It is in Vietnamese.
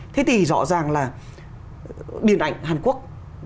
thế thì rõ ràng là điện ảnh hàn quốc